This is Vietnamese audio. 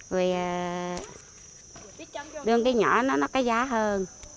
rồi đưa cái nhỏ nó có giá hơn